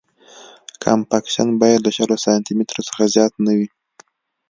کمپکشن باید له شل سانتي مترو څخه زیات نه وي